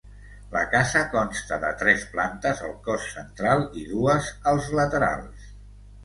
La casa consta de tres plantes al cos central i dues als laterals.